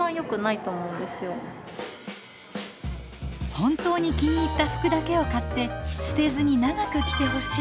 本当に気に入った服だけを買って捨てずに長く着てほしい。